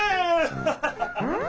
ハハハハハ！